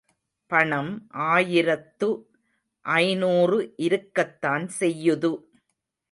பணம், ஆயிரத்து ஐநூறு இருக்கத்தான் செய்யுது.